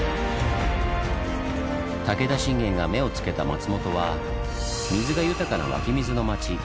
武田信玄が目をつけた松本は水が豊かな湧き水の町。